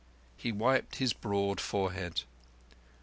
He wiped his broad forehead.